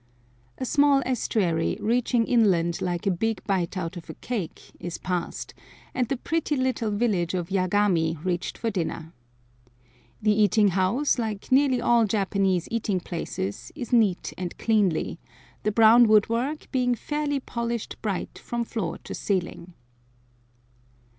A small estuary, reaching inland like a big bite out of a cake, is passed, and the pretty little village of Yagami reached for dinner. The eating house, like nearly all Japanese eating places, is neat and cleanly, the brown wood work being fairly polished bright from floor to ceiling.